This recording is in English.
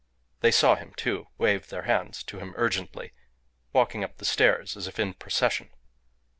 They saw him, too, waved their hands to him urgently, walking up the stairs as if in procession.